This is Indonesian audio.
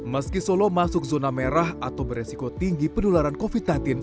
meski solo masuk zona merah atau beresiko tinggi penularan covid sembilan belas